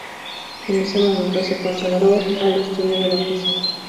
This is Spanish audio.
En ese momento, se consagró al estudio de la física.